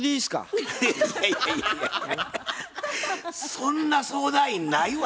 そんな相談員ないわ。